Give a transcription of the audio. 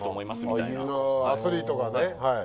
アスリートがねはい。